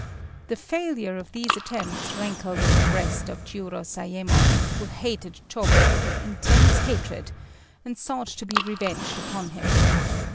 The failure of these attempts rankled in the breast of Jiurozayémon, who hated Chôbei with an intense hatred, and sought to be revenged upon him.